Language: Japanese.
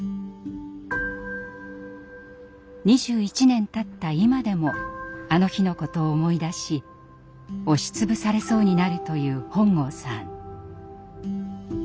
２１年たった今でもあの日のことを思い出し押しつぶされそうになるという本郷さん。